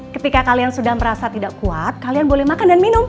ketika kalian sudah merasa tidak kuat kalian boleh makan dan minum